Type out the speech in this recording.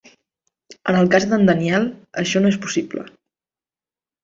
En el cas del Daniel això no és possible.